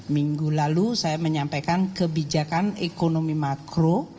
minggu lalu saya menyampaikan kebijakan ekonomi makro